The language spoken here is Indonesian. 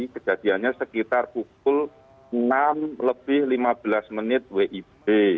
kejadiannya sekitar pukul enam lebih lima belas menit wib